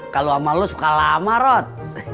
kalo sama lu suka lama rot